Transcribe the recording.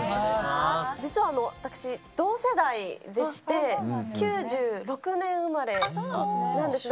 実は私、同世代でして、９６年生まれなんです。